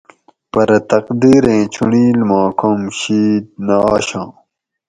پرہ تقدیریں چُنڑیل ما کم شِید نہ آشاں